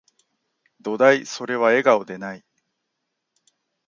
どだい、それは、笑顔でない